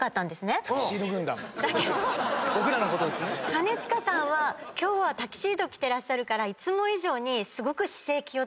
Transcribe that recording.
兼近さんは今日はタキシード着てらっしゃるからいつも以上にすごく。